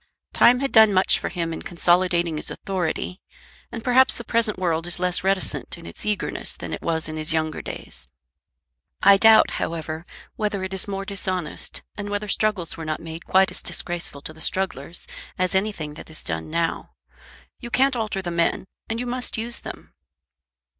"Time had done much for him in consolidating his authority, and perhaps the present world is less reticent in its eagerness than it was in his younger days. I doubt, however, whether it is more dishonest, and whether struggles were not made quite as disgraceful to the strugglers as anything that is done now. You can't alter the men, and you must use them."